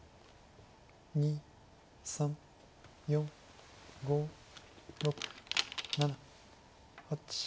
２３４５６７８。